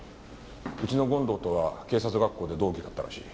うちの権藤とは警察学校で同期だったらしい。